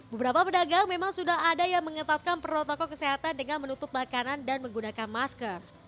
beberapa pedagang memang sudah ada yang mengetatkan protokol kesehatan dengan menutup makanan dan menggunakan masker